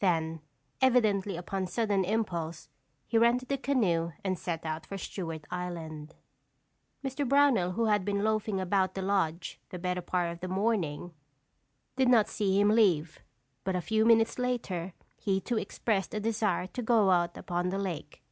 Then, evidently upon sudden impulse, he rented the canoe and set out for Stewart Island. Mr. Brownell who had been loafing about the lodge the better part of the morning, did not see him leave, but a few minutes later, he too expressed a desire to go out upon the lake.